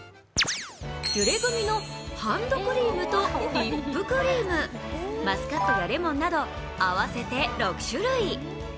ピュレグミのハンドクリームとリップクリームマスカットとレモンなど合わせて６種類。